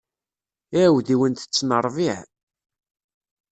Iɛudiwen tetten ṛṛbiɛ.